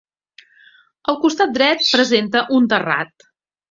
El costat dret presenta un terrat.